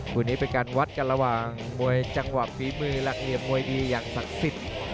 คู่นี้เป็นการวัดกันระหว่างมวยจังหวะฝีมือหลักเหลี่ยมมวยดีอย่างศักดิ์สิทธิ์